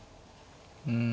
うん。